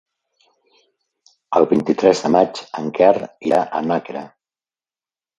El vint-i-tres de maig en Quer irà a Nàquera.